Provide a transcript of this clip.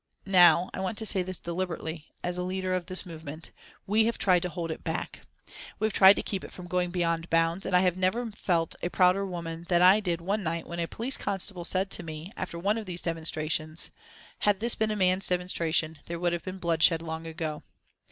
Now, I want to say this deliberately as a leader of this movement. We have tried to hold it back, we have tried to keep it from going beyond bounds, and I have never felt a prouder woman than I did one night when a police constable said to me, after one of these demonstrations, 'Had this been a man's demonstration, there would have been bloodshed long ago.'